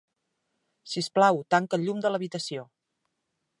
Si us plau, tanca el llum de l'habitació.